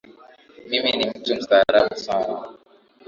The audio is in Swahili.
Mimi ni mtu mstaarabu sana